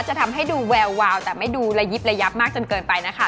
จะทำให้ดูแวววาวแต่ไม่ดูระยิบระยับมากจนเกินไปนะคะ